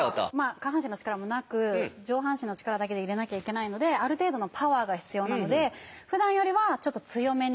下半身の力もなく上半身の力だけで入れなきゃいけないのである程度のパワーが必要なのでふだんよりはちょっと強めに。